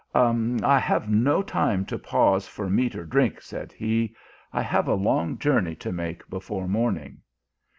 " I have no time to pause for meat or drink," said he, I have a long journey to make before morn ing.